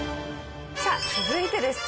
さあ続いてです。